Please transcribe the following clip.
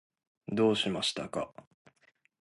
どうしましたか？